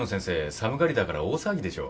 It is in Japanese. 寒がりだから大騒ぎでしょ？